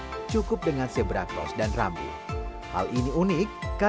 menurut amaran yang ditunjukkan kongres warisan przedstawasi indonesia